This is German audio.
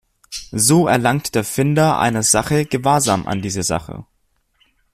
So erlangt der Finder einer Sache Gewahrsam an dieser Sache.